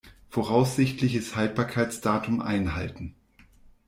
Voraussichtliches Haltbarkeitsdatum einhalten.